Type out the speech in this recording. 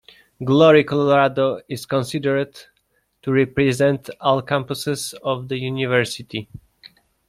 Glory Colorado is considered to represent all campuses of the University.